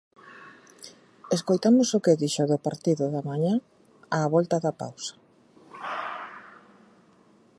Escoitamos o que dixo do partido de mañá á volta da pausa.